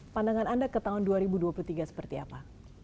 pandangan anda ke tahun dua ribu dua puluh tiga seperti apa